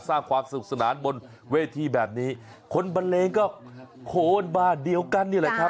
สร้างความสนุกสนานบนเวทีแบบนี้คนบันเลงก็โคนบ้านเดียวกันนี่แหละครับ